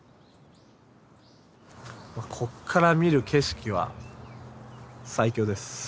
こっから見る景色は最強です。